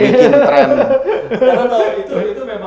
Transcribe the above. karena tau itu itu memang pada tuh viral